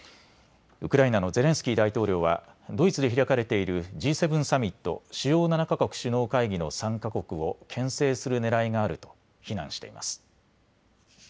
ウクライナのゼレンスキー大統領はドイツで開かれているＧ７サミット・主要７か国首脳会議の参加国をけん制するねらいがあると非難しています。